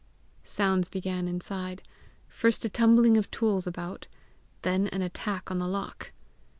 Sounds began inside first a tumbling of tools about, then an attack on the lock.